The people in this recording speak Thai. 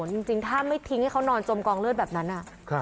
จริงจริงถ้าไม่ทิ้งให้เขานอนจมกองเลือดแบบนั้นอ่ะครับ